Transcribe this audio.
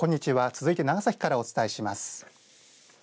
続いて長崎からお伝えします。